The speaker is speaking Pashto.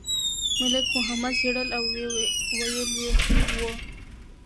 ملک محمد ژړل او ویلي یې وو.